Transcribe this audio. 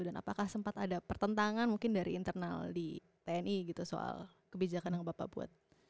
dan apakah sempat ada pertentangan mungkin dari internal di tni gitu soal kebijakan yang bapak buat